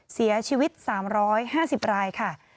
เสียชีวิต๓๕๐รายค่ะ